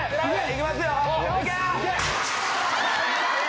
いきますよいけ！